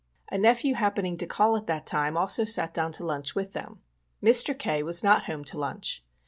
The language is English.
A nephew happening to call at that time also sat down to lunch with them. Mr. K. was not home to lunch.